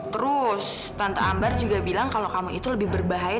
terus tante ambar juga bilang kalau kamu itu lebih berbahaya